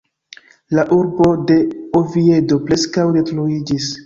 La urbo de Oviedo preskaŭ detruiĝis.